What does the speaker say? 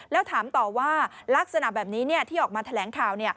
แล้วถามต่อว่าลักษณะแบบนี้ที่ออกมาแถลงข่าว